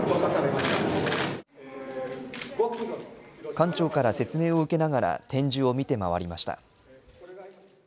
館長から説明を受けながら展示を見て回りました。